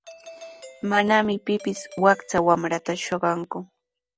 Manami pipis wakcha wamrataqa shuqanku.